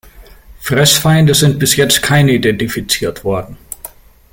Fressfeinde sind bis jetzt keine identifiziert worden.